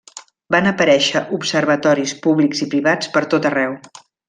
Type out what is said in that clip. Van aparèixer observatoris públics i privats pertot arreu.